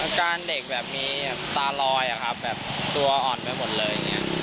อาการเด็กแบบมีหน้าลอยตัวอ่อนไปหมดเลย